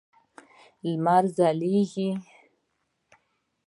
لمر ځلېږي.